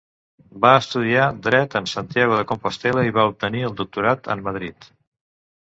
Va estudiar Dret en Santiago de Compostel·la i va obtenir el doctorat en Madrid.